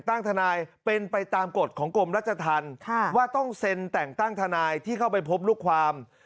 ทนายเป็นไปตามกฎของกรมรัชธรรมว่าต้องเซ็นแต่งตั้งทนายที่เข้าไปพบลูกความ